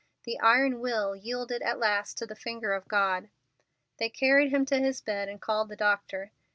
The iron will yielded at last to the finger of God. They carried him to his bed and called the doctor.